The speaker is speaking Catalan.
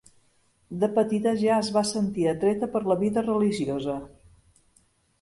De petita ja es va sentir atreta per la vida religiosa.